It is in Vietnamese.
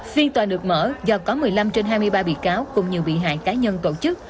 phiên tòa được mở do có một mươi năm trên hai mươi ba bị cáo cùng nhiều bị hại cá nhân tổ chức